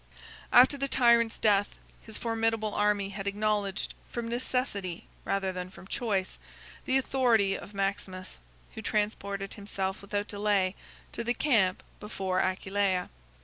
] After the tyrant's death, his formidable army had acknowledged, from necessity rather than from choice, the authority of Maximus, who transported himself without delay to the camp before Aquileia.